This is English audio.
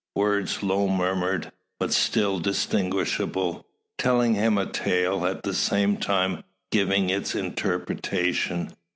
Words low murmured, but still distinguishable; telling him a tale, at the same time giving its interpretation.